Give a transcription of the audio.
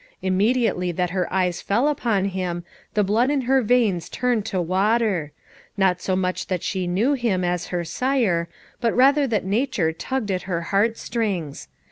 Immediately that her eyes fell upon him the blood in her veins turned to water; not so much that she knew him as her sire, but rather that Nature tugged at her heart strings.